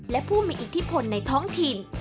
และผู้มีอิทธิพลในท้องถิ่น